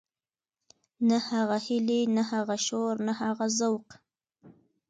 نه هغه هيلې نه هغه شور نه هغه ذوق.